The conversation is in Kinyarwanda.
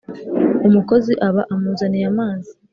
umukozi aba amuzaniye amazi